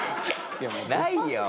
いやもうないよ！